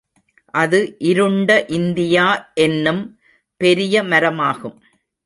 அது இருண்ட இந்தியா என்னும் பெரிய மரமாகும்.